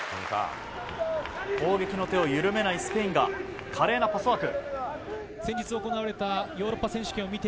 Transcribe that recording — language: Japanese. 攻撃の手を緩めないスペインが華麗なパスワーク。